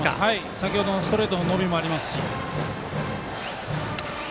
先ほどのストレートの伸びもありますし。